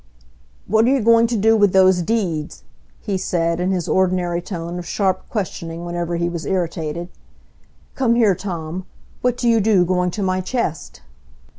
"What are you going to do with those deeds?" he said, in his ordinary tone of sharp questioning whenever he was irritated. "Come here, Tom. What do you do, going to my chest?"